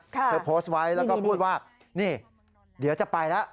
เธอโพสต์ไว้แล้วก็พูดว่านี่เดี๋ยวจะไปแล้ว